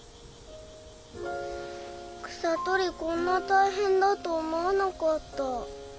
草とりこんなたいへんだと思わなかった。